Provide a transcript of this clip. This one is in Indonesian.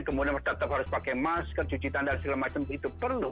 kemudian tetap harus pakai masker cuci tangan dan segala macam itu perlu